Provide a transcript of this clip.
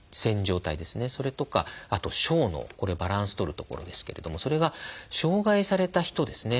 それとかあと小脳これはバランスとる所ですけれどもそれが障害された人ですね。